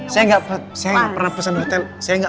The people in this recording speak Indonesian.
saya gak pernah pesan hotel saya gak